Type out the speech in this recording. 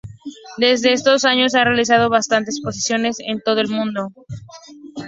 Desde estos años ha realizado bastante exposiciones en todo el mundo.